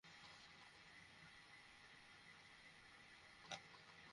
কালাজ্বর নির্মূল বিষয়ে সমঝোতা স্মারক স্বাক্ষর হবে বাংলাদেশসহ পাঁচটি দেশের মধ্যে।